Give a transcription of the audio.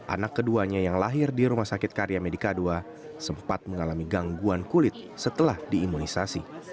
anak keduanya yang lahir di rumah sakit karya medica ii sempat mengalami gangguan kulit setelah diimunisasi